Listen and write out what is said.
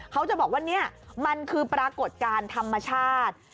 เขาจะบอกว่านี่มันคือปรากฏการณ์ธรรมชาติ